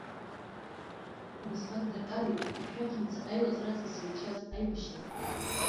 Убасҟак даркареит, ашәақьымца аилаҵара аҵкыс еицәаз аибашьра.